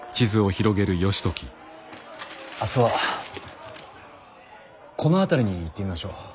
明日はこの辺りに行ってみましょう。